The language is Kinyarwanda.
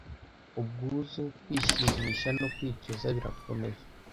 Ubwuzu, kwishimisha no kwicuza, birakomeye